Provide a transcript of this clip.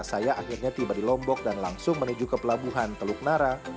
saya akhirnya tiba di lombok dan langsung menuju ke pelabuhan teluk nara